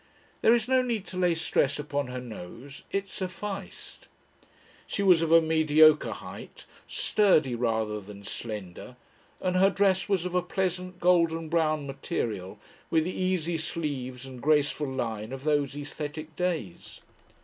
There is no need to lay stress upon her nose it sufficed. She was of a mediocre height, sturdy rather than slender, and her dress was of a pleasant, golden brown material with the easy sleeves and graceful line of those aesthetic days.